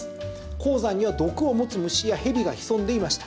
鉱山には毒を持つ虫や蛇が潜んでいました。